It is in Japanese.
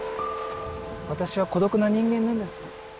私は孤独な人間なんです。